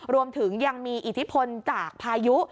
รวมถึงยังมีอิทธิพลจากพายุ